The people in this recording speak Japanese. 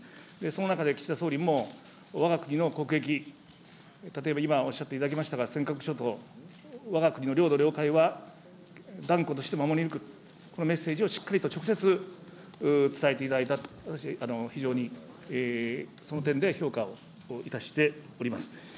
その中で岸田総理もわが国の国益、例えば今おっしゃっていただきましたが、尖閣諸島、わが国の領土、領海は断固として守り抜く、このメッセージをしっかりと直接伝えていただいたと、私、非常に、その点では評価をいたしております。